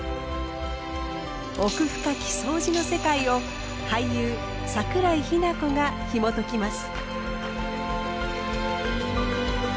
奥深きそうじの世界を俳優桜井日奈子がひもときます。